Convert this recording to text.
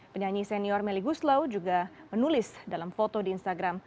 penyanyi senior meli guslau juga menulis dalam foto di instagram